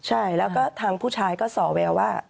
ใช่แล้วก็ทางผู้ชายก็สอแววว่า